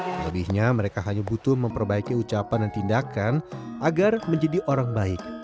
selebihnya mereka hanya butuh memperbaiki ucapan dan tindakan agar menjadi orang baik